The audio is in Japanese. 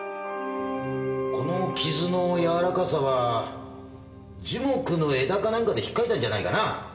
この傷の柔らかさは樹木の枝かなんかで引っかいたんじゃないかな。